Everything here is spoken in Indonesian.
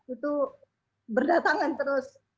itu berdatangan terus